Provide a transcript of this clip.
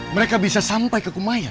mereka bisa sampai ke kumaya